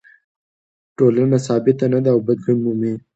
ټولنه ثابته نه ده او بدلون مومي.